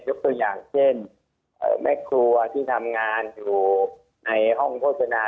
ตัวอย่างเช่นแม่ครัวที่ทำงานอยู่ในห้องโฆษณา